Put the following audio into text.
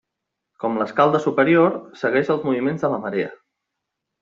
Com l'Escalda superior, segueix els moviments de la marea.